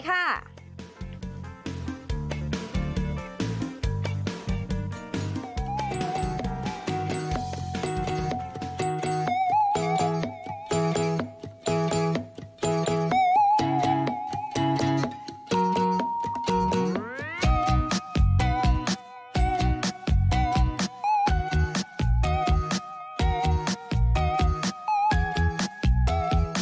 สวัสดีค่ะ